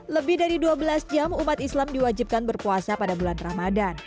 lebih dari dua belas jam umat islam diwajibkan berpuasa pada bulan ramadan